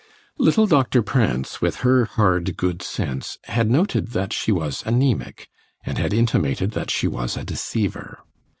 Little Doctor Prance, with her hard good sense, had noted that she was anæmic, and had intimated that she was a deceiver.